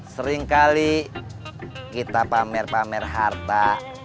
seringkali kita pamer pamer harta